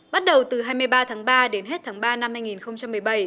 bắt đầu từ hai mươi ba tháng ba đến hết tháng ba năm hai nghìn một mươi bảy